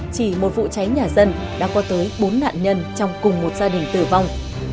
chỉ một vụ cháy nhà dân đã có tới bốn nạn nhân trong cùng một gia đình tử vong